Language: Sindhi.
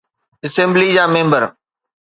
اسيمبلي جا ميمبر.